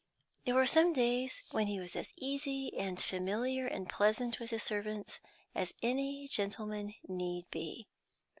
There were some days when he was as easy, and familiar, and pleasant with his servants as any gentleman need be.